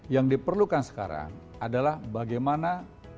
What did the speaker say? yang diperlukan sekarang adalah bagaimana